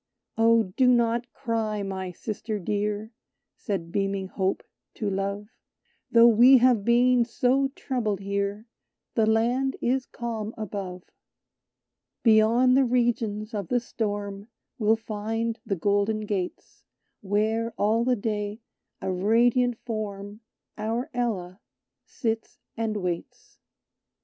"O do not cry, my sister dear," Said beaming Hope to Love, "Though we have been so troubled here The Land is calm above; "Beyond the regions of the storm We'll find the golden gates, Where, all the day, a radiant Form, Our Ella, sits and waits."